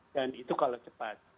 dan itu kalau cepat